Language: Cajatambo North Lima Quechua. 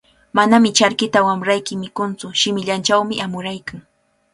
Manami charkita wamrayki mikuntsu, shimillanchawmi amuraykan.